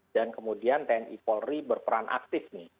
dan kemudian tni polri berperan aktif nih